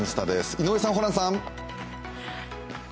井上さん、ホランさん。